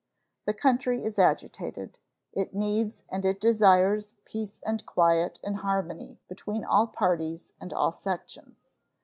The country is agitated. It needs and it desires peace and quiet and harmony between all parties and all sections.